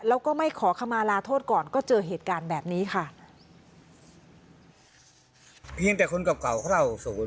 แล้วก็ไม่ขอขมาลาโทษก่อนก็เจอเหตุการณ์แบบนี้ค่ะ